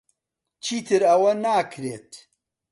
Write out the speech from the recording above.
چیتر ئەوە ناکرێت.